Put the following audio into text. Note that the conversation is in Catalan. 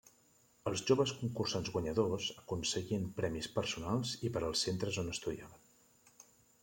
Els joves concursants guanyadors aconseguien premis personals i per als centres on estudiaven.